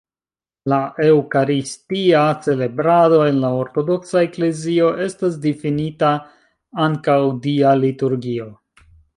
La eŭkaristia celebrado en la Ortodoksa Eklezio estas difinita ankaŭ Dia liturgio.